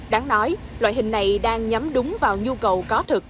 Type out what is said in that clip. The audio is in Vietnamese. đáng nói loại hình này đang nhắm đúng vào nhu cầu có thực